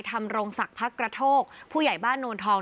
รงศักดิ์พักกระโทกผู้ใหญ่บ้านโนนทอง